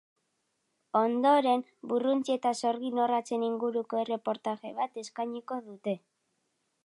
Ondoren, burruntzi eta sorgin-orratzen inguruko erreportaje bat eskainiko dute.